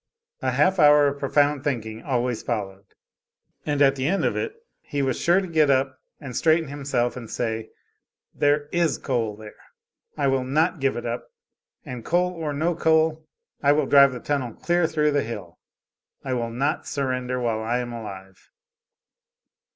A half hour of profound thinking always followed; and at the end of it he was sure to get up and straighten himself and say: "There is coal there; I will not give it up; and coal or no coal I will drive the tunnel clear through the hill; I will not surrender while I am alive."